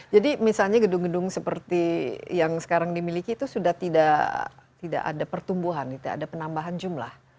jadi misalnya gedung gedung seperti yang sekarang dimiliki itu sudah tidak ada pertumbuhan tidak ada penambahan jumlah